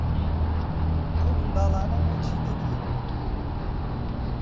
ئەو منداڵانە بۆچی دەگرین؟